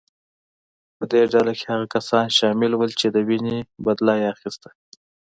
په دې ډله کې هغه کسان شامل وو چې د وینې بدله یې اخیسته.